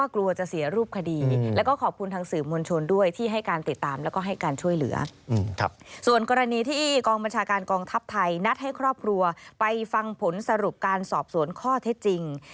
ส่วนกรณีที่กองบัญชาการกองทัพไทยนัดให้ครอบครัวไปฟังผลสรุปการสอบสวนข้อเท็จจริง